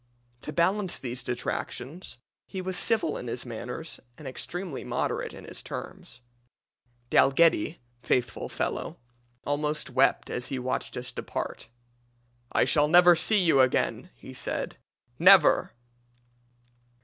To balance these detractions he was civil in his manners and extremely moderate in his terms. Dalghetty, faithful fellow, almost wept as he watched us depart. 'I shall never see you again,' he said. 'Never!'